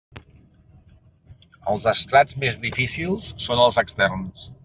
Els estrats més difícils són els externs.